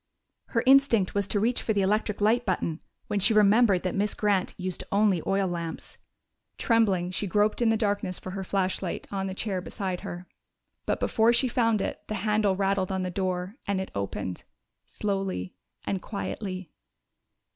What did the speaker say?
Her instinct was to reach for the electric light button when she remembered that Miss Grant used only oil lamps. Trembling, she groped in the darkness for her flashlight, on the chair beside her. But before she found it the handle rattled on the door, and it opened slowly and quietly.